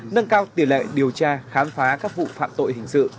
nâng cao tỷ lệ điều tra khám phá các vụ phạm tội hình sự